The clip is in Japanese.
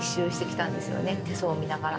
手相見ながら。